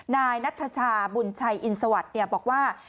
นายนัทชาบุญชัยอินสวัสดิ์บอกว่า